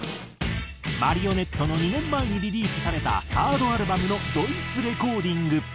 『Ｍａｒｉｏｎｅｔｔｅ』の２年前にリリースされた３ｒｄアルバムのドイツレコーディング。